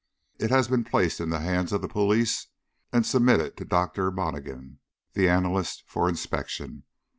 It has been placed in the hands of the police, and submitted to Dr. Monaghan, the analyst, for inspection.